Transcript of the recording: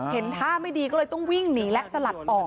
เห็นท่าไม่ดีก็เลยต้องวิ่งหนีและสลัดออก